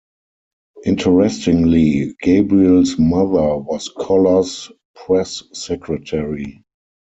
Interestingly, Gabriel's mother was Collor's press secretary.